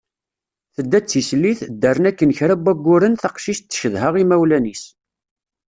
Tedda d tislit, ddren akken kra n wagguren, taqcict tcedha imawlan-is.